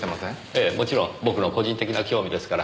ええもちろん僕の個人的な興味ですから。